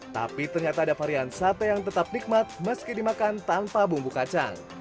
tapi ternyata ada varian sate yang tetap nikmat meski dimakan tanpa bumbu kacang